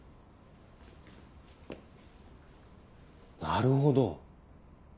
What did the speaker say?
なるほど！